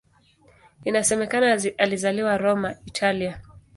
Inasemekana alizaliwa Roma, Italia.